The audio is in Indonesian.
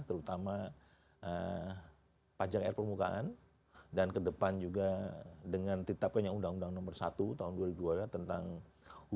terutama panjang air permukaan dan kedepan juga dengan titapnya undang undang nomor satu tahun dua ribu dua puluh dua ya tentang hubungan keuangan pusat daerah